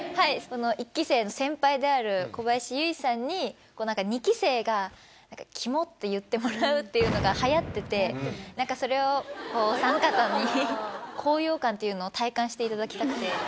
一期生の先輩である小林由依さんに二期生が「キモっ」て言ってもらうっていうのが流行っててそれをお３方に高揚感っていうのを体感していただきたくて。